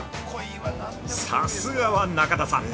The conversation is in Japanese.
◆さすがは中田さん。